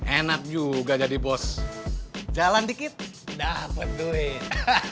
enak juga jadi bos jalan dikit dapet duit